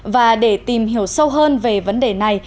và để tìm hiểu sâu hơn về vấn đề này